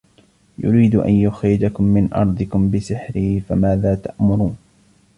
يريد أن يخرجكم من أرضكم بسحره فماذا تأمرون